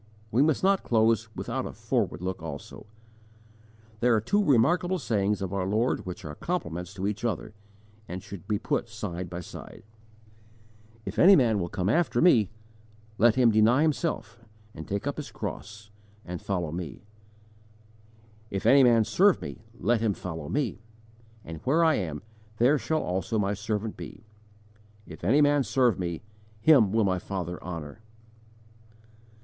We must not close without a forward look also. There are two remarkable sayings of our Lord which are complements to each other and should be put side by side: [Transcriber's note: The following two paragraphs are printed side by side in two columns.] "If any man will come after Me, let him deny himself and take up his cross and follow Me." "If any man serve Me, let him follow Me; and where I am, there shall also my servant be. If any man serve Me, him will My Father honour."